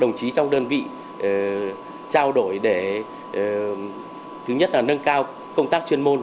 đồng chí trong đơn vị trao đổi để thứ nhất là nâng cao công tác chuyên môn